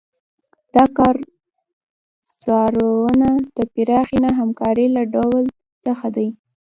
دا کارزارونه د پراخې نه همکارۍ له ډول څخه دي.